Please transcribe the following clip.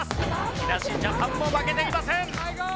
木梨ジャパンも負けていません。